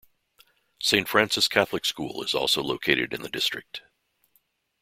Saint Francis Catholic School is also located in the district.